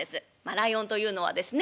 ライオンというのはですね